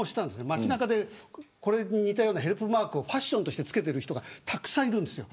街中で、これに似たようなヘルプマークをファッションとして付けてる人がたくさんいるんですよ。